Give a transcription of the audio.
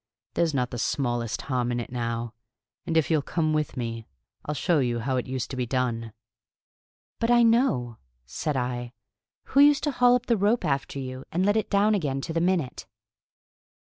There's not the smallest harm in it now; and if you'll come with me I'll show you how it used to be done." "But I know," said I. "Who used to haul up the rope after you, and let it down again to the minute?"